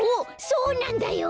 そうなんだよ。